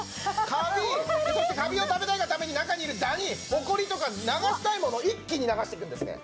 カビそしてカビを食べたいがために中にいるダニホコリとか流したいものを一気に流していくんですね。